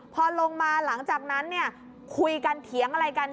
พอลงมาหลังจากนั้นเนี่ย